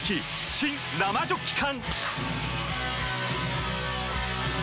新・生ジョッキ缶！